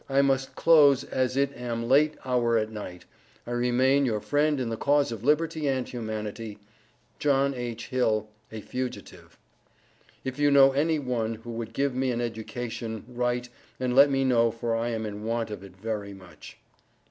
I must close as it am late hour at night. I Remain your friend in the cause of Liberty and humanity, JOHN H. HILL, a fugitive. If you know any one who would give me an education write and let me know for I am in want of it very much.